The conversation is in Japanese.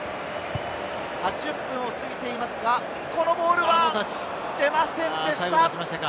８０分を過ぎていますが、このボールは出ませんでした。